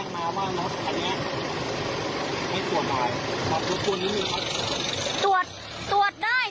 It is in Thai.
ตรวจตรวจได้